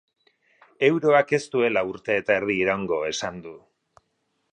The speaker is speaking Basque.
Euroak ez duela urte eta erdi iraungo esan du.